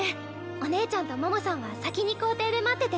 お姉ちゃんとモモさんは先に校庭で待ってて。